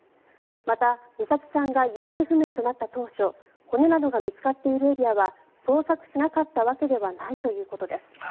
また、美咲さんが行方不明となった当初骨などが見つかっているエリアは捜索しなかったわけではないということです。